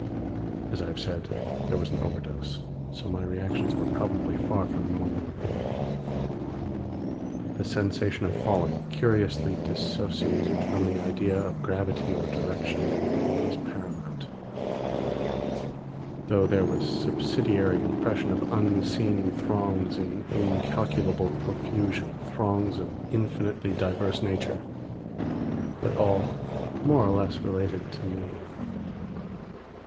As I have said, there was an overdose; so my reactions were probably far from normal. The sensation of falling, curiously dissociated from the idea of gravity or direction, was paramount; though there was subsidiary impression of unseen throngs in incalculable profusion, throngs of infinitely diverse nature, but all more or less related to me.